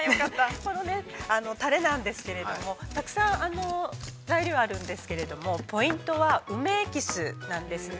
このタレなんですけれどもたくさん材料あるんですけれどもポイントは梅エキスなんですね。